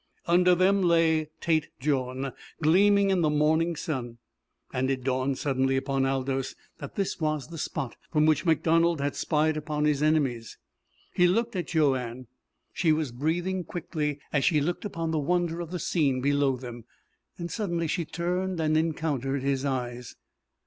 Under them lay Tête Jaune, gleaming in the morning sun, and it dawned suddenly upon Aldous that this was the spot from which MacDonald had spied upon his enemies. He looked at Joanne. She was breathing quickly as she looked upon the wonder of the scene below them. Suddenly she turned, and encountered his eyes.